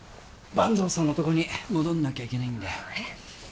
阪東さんのとこに戻んなきゃいけないんでえっ？